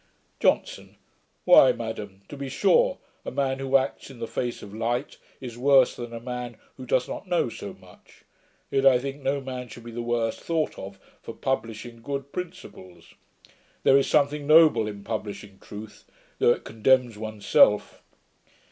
JOHNSON. 'Why, madam, to be sure, a man who acts in the face of light, is worse than a man who does not know so much; yet I think no man should be the worse thought of for publishing good principles. There is something noble in publishing truth, though it condemns one's self.'